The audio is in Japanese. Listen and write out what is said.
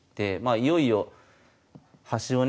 いよいよ端をね